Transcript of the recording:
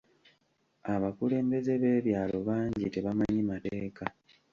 Abakulembeze b'ebyalo bangi tebamanyi mateeka.